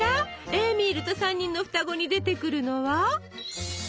「エーミールと三人のふたご」に出てくるのは？